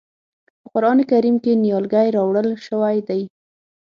په قرآن کریم کې نیالګی راوړل شوی دی.